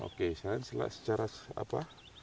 oke saya secara apa